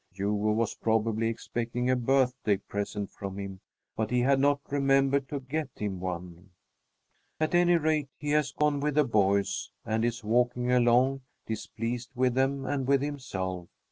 Hugo was probably expecting a birthday present from him, but he had not remembered to get him one. At any rate, he has gone with the boys and is walking along, displeased with them and with himself.